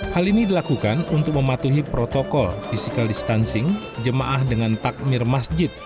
hal ini dilakukan untuk mematuhi protokol physical distancing jemaah dengan takmir masjid